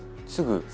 すぐ。